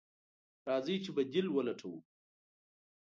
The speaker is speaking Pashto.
راځئ چې بديل ولټوو.